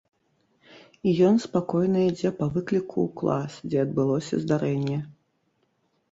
І ён спакойна ідзе па выкліку ў клас, дзе адбылося здарэнне.